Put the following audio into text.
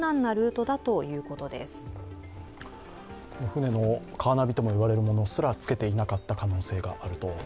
船のカーナビと言われるものすらつけていなかった可能性があると。